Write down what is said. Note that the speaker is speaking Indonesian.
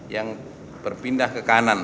yang berpindah ke kanan